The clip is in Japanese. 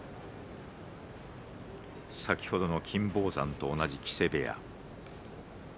先ほどの金峰山と同じ木瀬部屋。